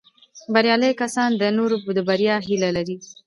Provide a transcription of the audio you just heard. بریالي کسان د نورو د بریا هیله لري